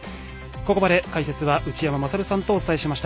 ここまで解説は内山勝さんとお伝えしました。